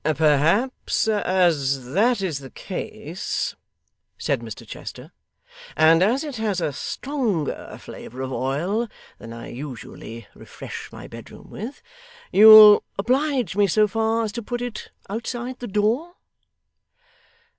'Perhaps, as that is the case,' said Mr Chester, 'and as it has a stronger flavour of oil than I usually refresh my bedroom with, you will oblige me so far as to put it outside the door?